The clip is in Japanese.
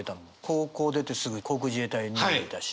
高校を出てすぐ航空自衛隊に２年いたし。